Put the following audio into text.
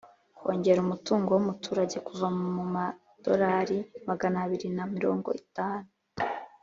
kongera umutungo w'umuturage kuva ku madorari magana abiri na mirongo iatanu